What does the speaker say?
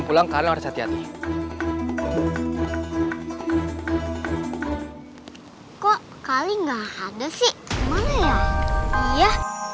pulang kalau harus hati hati kok kali enggak ada sih iya